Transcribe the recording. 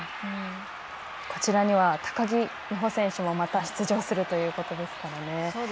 こちらには高木美帆もまた出場するということですから。